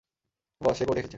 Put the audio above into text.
বস, সে কোর্টে এসেছে।